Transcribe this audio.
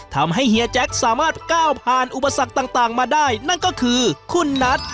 เฮียแจ็คสามารถก้าวผ่านอุปสรรคต่างมาได้นั่นก็คือคุณนัท